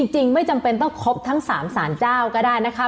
จริงไม่จำเป็นต้องครบทั้ง๓สารเจ้าก็ได้นะคะ